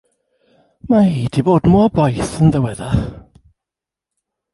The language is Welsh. Mae hi 'di bod mor boeth yn ddiweddar.